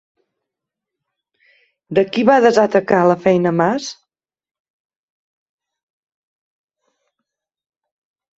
De qui va desatacar la feina Mas?